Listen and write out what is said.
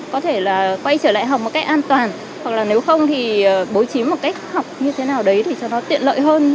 có thể là quay trở lại học một cách an toàn hoặc là nếu không thì bố trí một cách học như thế nào đấy thì cho nó tiện lợi hơn